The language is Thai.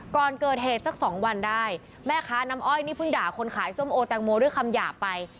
ก่อนเกิดเหตุสักสองวันได้แม่ค้าน้ำอ้อยนี่เพิ่งด่าคนขายส้มโอแตงโมด้วยคำหยาบไป